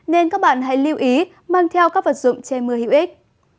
nên các bạn hãy lưu ý mang theo các vật dụng che mưa hữu ích